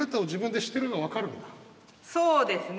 そうですね。